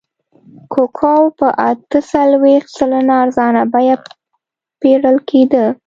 کوکو په اته څلوېښت سلنه ارزانه بیه پېرل کېده.